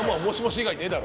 以外ねえだろ。